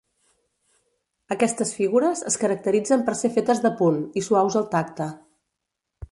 Aquestes figures es caracteritzen per ser fetes de punt, i suaus al tacte.